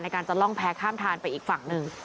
การจะล่องแพ้ข้ามทานไปอีกฝั่งหนึ่ง